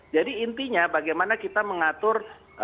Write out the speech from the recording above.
jadi intinya bagaimana kita mengatur